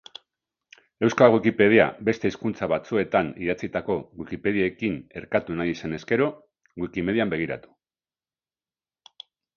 Euskal Wikipedia beste hizkuntza batzuetan idatzitako Wikipediekin erkatu nahi izanez gero, WikiMedian begiratu.